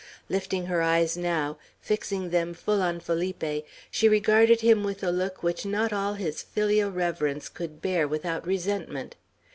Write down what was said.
Lifting her eyes now, fixing them full on Felipe, she regarded him with a look which not all his filial reverence could bear without resentment.